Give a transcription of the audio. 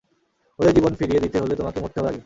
ওদের জীবন ফিরিয়ে দিতে হলে তোমাকে মরতে হবে আগে।